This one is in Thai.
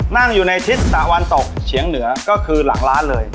นั่งอยู่ในทิศตะวันตกเฉียงเหนือก็คือหลังร้านเลย